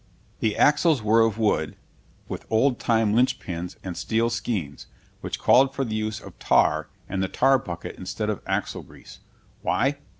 ] The axles were of wood, with the old time linchpins and steel skeins, which called for the use of tar and the tar bucket instead of axle grease. Why?